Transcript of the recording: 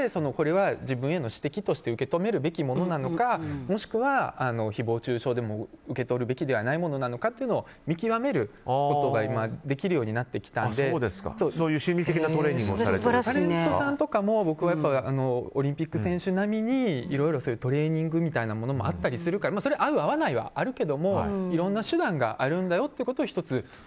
自分への指摘として受け止めるべきものなのかもしくは誹謗中傷で受け取るべきではないものなのかというのを見極めることがそういう心理的なタレントさんとかもオリンピック選手並みにいろいろトレーニングみたいなものもあったりするから合う、合わないはあるけどもいろんな手段があるんだよ